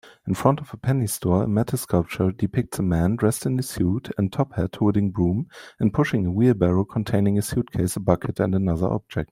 In front of a Penney s store a metal sculpture depicts a man dressed in a suit and top hat holding broom and pushing a wheelbarrow containing a suitcase a bucket and another object